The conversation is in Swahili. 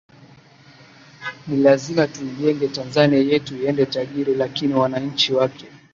ni lazima tuijege tanzania yetu iende tajiri lakini wananchi wake